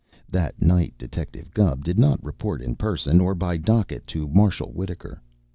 That night Detective Gubb did not report in person or by docket to Marshal Wittaker.